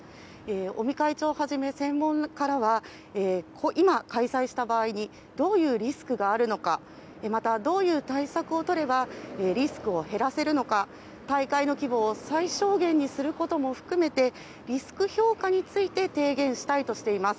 尾身会長をはじめ専門家からは今、開催した場合にどういうリスクがあるのかまた、どういう対策をとればリスクを減らせるのか大会の規模を最小限にすることも含めてリスク評価について提言したいとしています。